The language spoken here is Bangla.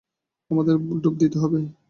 আমাদের ডুব দিতে হবে।